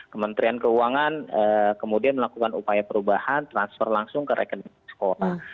kementerian keuangan kemudian melakukan upaya perubahan transfer langsung ke rekening sekolah